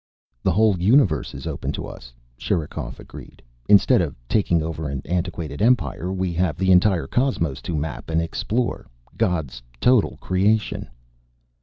"The whole universe is open to us," Sherikov agreed. "Instead of taking over an antiquated Empire, we have the entire cosmos to map and explore, God's total creation."